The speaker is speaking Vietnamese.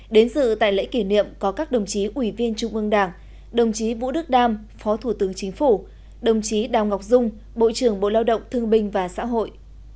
đến dự tại lễ kỷ niệm có các đồng chí ủy viên trung ương đảng đồng chí vũ đức đam phó thủ tướng chính phủ đồng chí đào ngọc dung bộ trưởng bộ lao động thương binh và xã hội